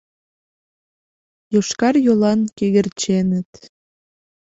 Йошкар йолан кӧгӧрченет